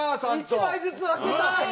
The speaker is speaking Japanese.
１枚ずつ分けたい！